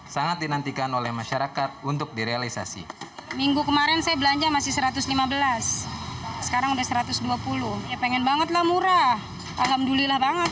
sangat dinantikan oleh masyarakat untuk direalisasi